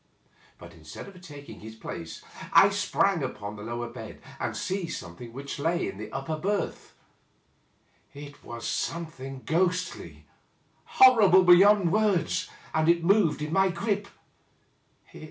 But instead of taking his place, I sprang upon the lower bed, and seized something which lay in the upper berth. It was something ghostly, horrible beyond words, and it moved in my grip.